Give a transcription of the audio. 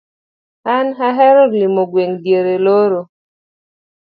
an ahero limo gweng'a diere loro.